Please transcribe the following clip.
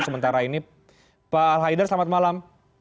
sementara ini pak al haidar selamat malam